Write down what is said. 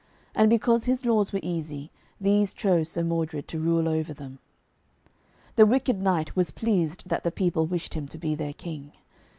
And because his laws were easy, these chose Sir Modred to rule over them. The wicked knight was pleased that the people wished him to be their King.